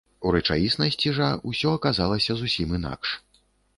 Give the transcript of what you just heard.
У рэчаіснасці жа ўсё аказалася зусім інакш.